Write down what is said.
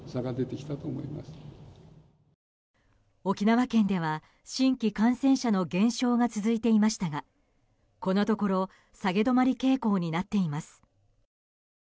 沖縄県では新規感染者の減少が続いていましたがこのところ下げ止まり傾向になっています。